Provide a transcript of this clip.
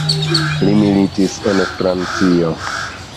Li militis en Francio.